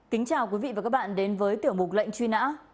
kính chào quý vị và các bạn đến với tiểu mục lệnh truy nã